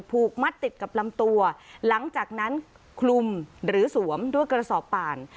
ผูกมัดติดกับลำตัวหลังจากนั้นคลุมหรือสวมด้วยกระสอบป่าน